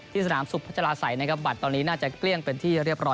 สนามสุขพัชราศัยนะครับบัตรตอนนี้น่าจะเกลี้ยงเป็นที่เรียบร้อย